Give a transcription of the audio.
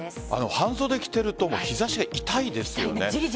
半袖着ていると日差しが痛いですよね。